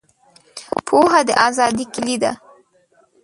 پوهه د آزادۍ کیلي ده.